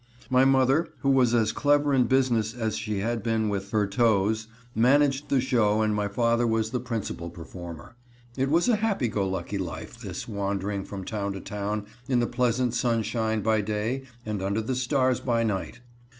My mother, who was as clever in business as she had been with her toes, managed the show and my father was the principal performer. It was a happy go lucky life, this wandering from town to town, in the pleasant sunshine by day and under the stars by night.